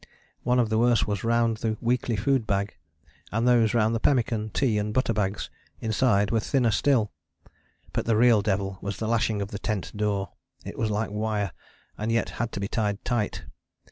One of the worst was round the weekly food bag, and those round the pemmican, tea and butter bags inside were thinner still. But the real devil was the lashing of the tent door: it was like wire, and yet had to be tied tight.